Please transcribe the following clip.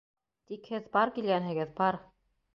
Тик һеҙ пар килгәнһегеҙ, пар!